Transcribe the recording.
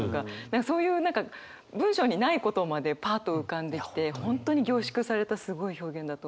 そういう何か文章にないことまでパッと浮かんできて本当に凝縮されたすごい表現だと思いますね。